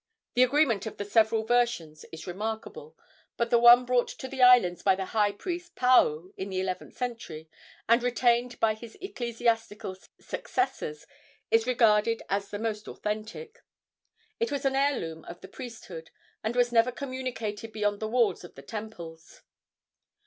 The agreement of the several versions is remarkable, but the one brought to the islands by the high priest Paao in the eleventh century, and retained by his ecclesiastical successors, is regarded as the most authentic. It was an heirloom of the priesthood, and was never communicated beyond the walls of the temples.